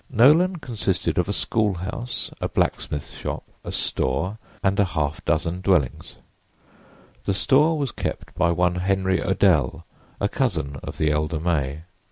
Nolan consisted of a school house, a blacksmith's shop, a "store" and a half dozen dwellings. The store was kept by one Henry Odell, a cousin of the elder May.